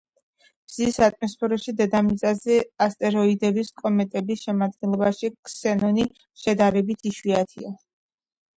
მზის ატმოსფეროში, დედამიწაზე, ასტეროიდების და კომეტების შემადგენლობაში ქსენონი შედარებით იშვიათია.